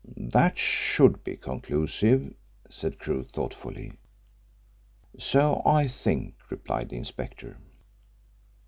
"That should be conclusive," said Crewe thoughtfully. "So I think," replied the inspector.